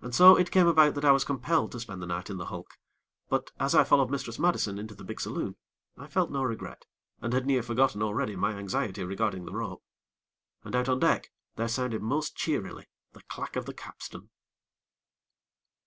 And so it came about that I was compelled to spend the night in the hulk; but, as I followed Mistress Madison into the big saloon, I felt no regret, and had near forgotten already my anxiety regarding the rope. And out on deck there sounded most cheerily the clack of the capstan.